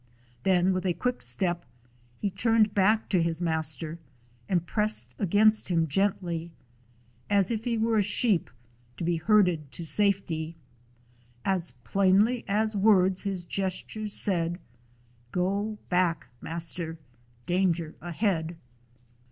Then with a quick step he turned back to his master, and pressed against him gently, as if he were a sheep to be herded to safety. As plainly as words his gestures said: "Go back, master. Danger ahead!"